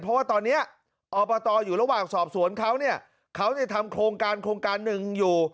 เพราะว่าตอนนี้อบตอยู่ระหว่างสอบสวนเขาเขาจะทำโครงการ๑อยู่